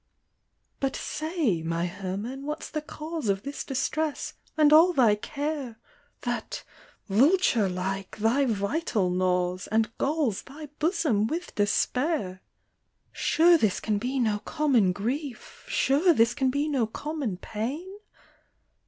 " But say , my Herman, what's the cause Of this distress, and all thy care, That vulture like, thy vital gnaws, And trails thy bosom with despair ? THE VAMPYRE. 231 " Sure this can be no common grief, Sure this can be no common pain